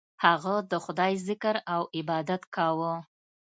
هغه د خدای ذکر او عبادت کاوه.